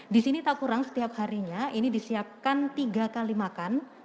di sini tak kurang setiap harinya ini disiapkan tiga kali makan